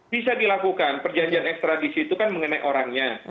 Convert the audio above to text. bisa dilakukan perjanjian ekstradisi itu kan mengenai orangnya